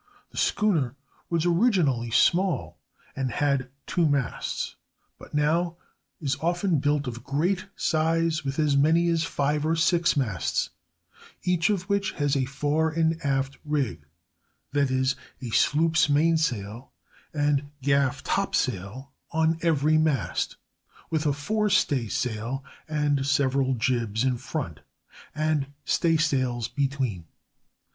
The schooner was originally small, and had two masts; but now is often built of great size, with as many as five or six masts, each of which has a fore and aft rig—that is, a sloop's mainsail and gaff topsail on every mast, with forestaysail and several jibs in front, and staysails between.